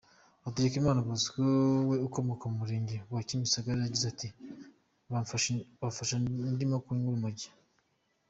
Hategekimana Bosco we akomoka mu murenge wa Kimisagara; yagize ati:” bamfashe ndimo kunywa urumogi.